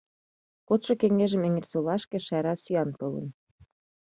— Кодшо кеҥежым Эҥерсолашке Шайра сӱан толын.